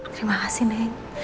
terima kasih neng